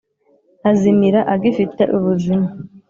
azimira agifite ubuzima